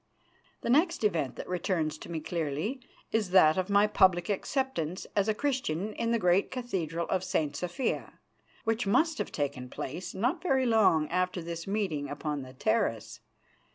The next event that returns to me clearly is that of my public acceptance as a Christian in the great Cathedral of St. Sophia, which must have taken place not very long after this meeting upon the terrace.